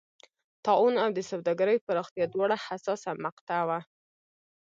طاعون او د سوداګرۍ پراختیا دواړه حساسه مقطعه وه.